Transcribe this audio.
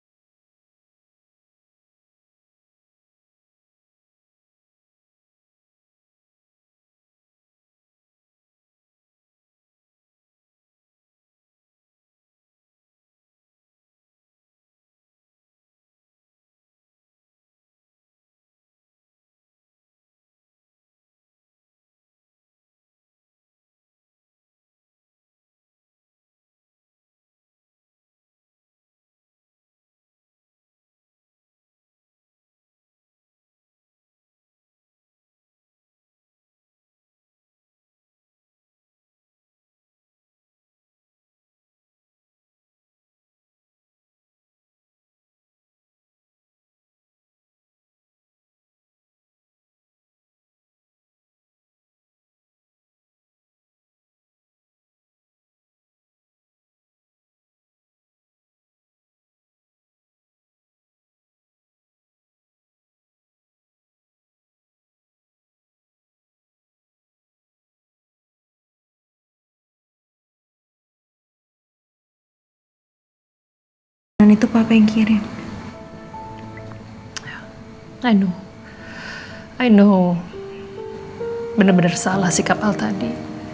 saya tahu benar benar salah sikap al tadi